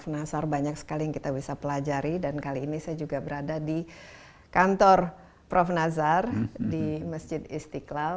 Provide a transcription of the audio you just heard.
nasar banyak sekali yang kita bisa pelajari dan kali ini saya juga berada di kantor prof nazar di masjid istiqlal